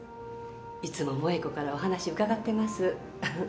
いつも萠子からお話伺ってます。